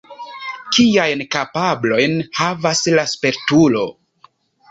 Kiajn kapablojn havas la spertulo?